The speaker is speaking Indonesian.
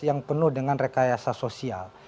yang penuh dengan rekayasa sosial